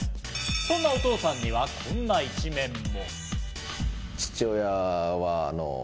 そんなお父さんにはこんな一面も。